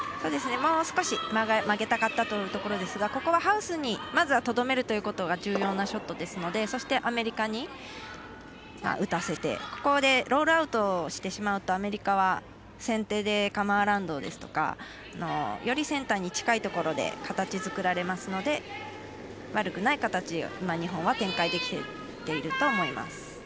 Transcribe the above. もう少し曲げたかったというところですがここはハウスにまずは、とどめるということが重要なショットですのでなのでアメリカに打たしてここでロールアウトしてしまうとアメリカは先手でカム・アラウンドですとかよりセンターに近いところで形作られますので悪くない形を日本は展開できていると思います。